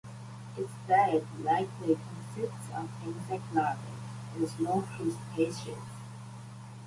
Its diet likely consists of insect larvae and small crustaceans.